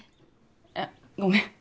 あごめん。